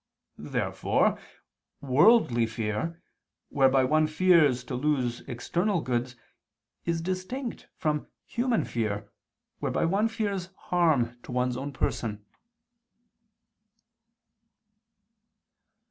Therefore "worldly fear," whereby one fears to lose external goods, is distinct from "human fear," whereby one fears harm to one's own person.